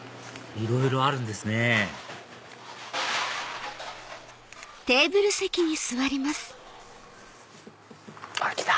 いろいろあるんですねあっきた！